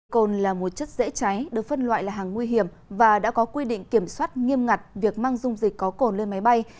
cồn là một chất dễ cháy được phân loại là hàng nguy hiểm và đã có quy định kiểm soát nghiêm ngặt việc mang dung dịch có cồn lên máy bay